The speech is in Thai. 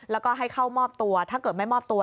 แล้วก็ให้เข้ามอบตัวถ้าเกิดไม่มอบตัว